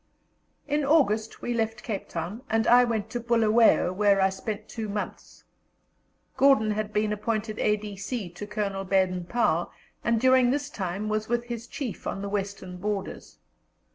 In August we left Cape Town, and I went to Bulawayo, where I spent two months. Gordon had been appointed A.D.C. to Colonel Baden Powell, and during this time was with his chief on the western borders.